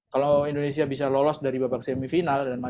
kalau indonesia bisa lolos dari babak semifinal